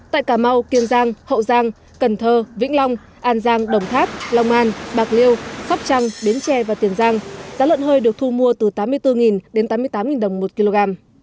tại cà mau kiên giang hậu giang cần thơ vĩnh long an giang đồng tháp lòng an bạc liêu khắp trăng biến tre và tiền giang giá lợn hơi được thu mua từ tám mươi bốn đến tám mươi tám đồng một kg